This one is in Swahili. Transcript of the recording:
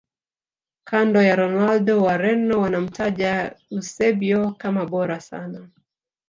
Kando ya Ronaldo wareno wanamtaja eusebio kama bora sana